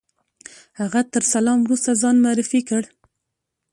هغه تر سلام وروسته ځان معرفي کړ.